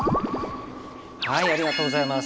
ありがとうございます。